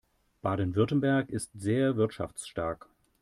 Baden-Württemberg ist sehr wirtschaftsstark.